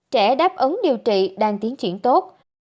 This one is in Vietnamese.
trẻ đáp ứng điều trị đang tiến triển tốt